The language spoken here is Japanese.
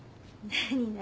何？